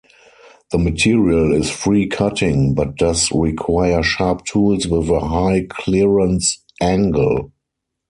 The material is free-cutting, but does require sharp tools with a high clearance angle.